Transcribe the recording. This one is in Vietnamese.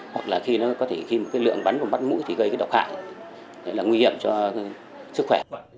hoặc là khi nó có thể khi một cái lượng bắn vào mắt mũi thì gây cái độc hại là nguy hiểm cho sức khỏe